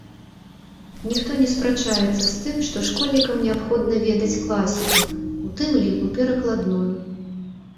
Ніхто не спрачаецца з тым, што школьнікам неабходна ведаць класіку, у тым ліку перакладную.